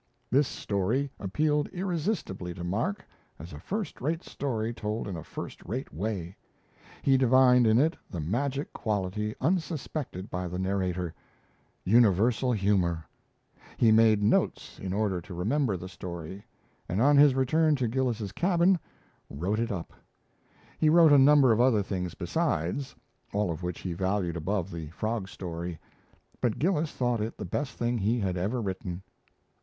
This story appealed irresistibly to Mark as a first rate story told in a first rate way; he divined in it the magic quality unsuspected by the narrator universal humour. He made notes in order to remember the story, and on his return to the Gillis' cabin, "wrote it up." He wrote a number of other things besides, all of which he valued above the frog story; but Gillis thought it the best thing he had ever written.